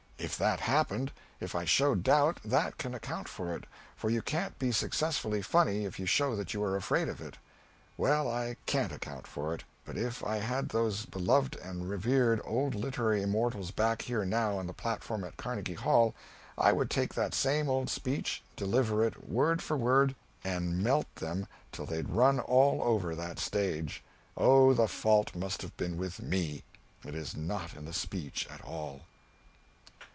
If that happened, if I showed doubt, that can account for it, for you can't be successfully funny if you show that you are afraid of it. Well, I can't account for it, but if I had those beloved and revered old literary immortals back here now on the platform at Carnegie Hall I would take that same old speech, deliver it, word for word, and melt them till they'd run all over that stage. Oh, the fault must have been with me, it is not in the speech at all.